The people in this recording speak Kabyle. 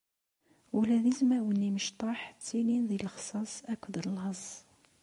Ula d izmawen imecṭaḥ ttilin di leṣxaṣ akked laẓ.